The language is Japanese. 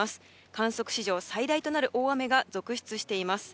観測史上最大となる大雨が続出しています。